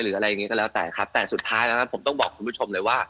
หรืออะไรอย่างนี้ก็แล้วแต่ครับแต่สุดท้ายแล้วนะผมต้องบอกคุณผู้ชมเลยว่า